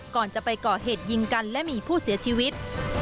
ก่อนจะไปก่อเหตุยิงกันและมีผู้เสียชีวิต